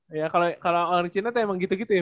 iya kalau orang china tuh emang gitu gitu ya